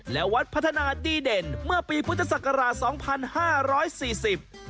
และวัดพัฒนาดีเด่นเมื่อปีพุทธศักราช๒๕๔๐